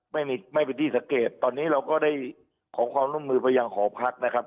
ไม่มีไม่เป็นที่สังเกตตอนนี้เราก็ได้ขอความร่วมมือไปยังหอพักนะครับ